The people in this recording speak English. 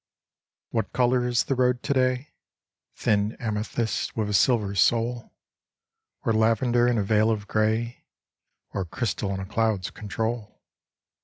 What color is the road today? Thin amethyst with a silver soul, Or lavender in a veil of gray, Or crystal in a cloud's control?